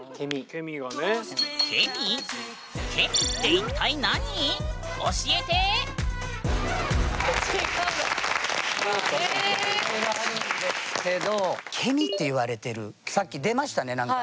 ケミっていろいろあるんですけどケミっていわれてるさっき出ましたね何か。